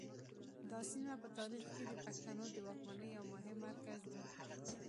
دا سیمه په تاریخ کې د پښتنو د واکمنۍ یو مهم مرکز و